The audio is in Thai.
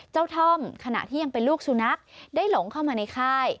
ท่อมขณะที่ยังเป็นลูกสุนัขได้หลงเข้ามาในค่าย